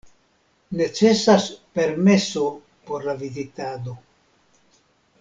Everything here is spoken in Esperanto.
Necesas permeso por la vizitado.